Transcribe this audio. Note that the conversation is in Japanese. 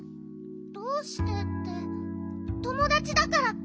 どうしてってともだちだからッピ。